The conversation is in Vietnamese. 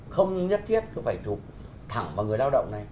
không nhất thiết cứ phải trục thẳng vào người lao động này